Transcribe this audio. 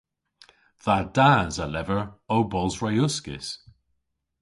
Dha das a lever ow bos re uskis.